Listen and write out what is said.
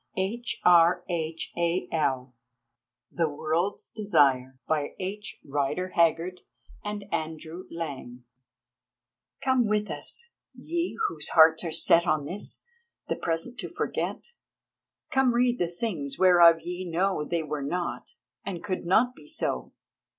H. R. H. A. L. THE WORLD'S DESIRE Come with us, ye whose hearts are set On this, the Present to forget; Come read the things whereof ye know _They were not, and could not be so!